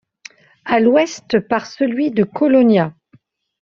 À l'ouest par celui de Colonia.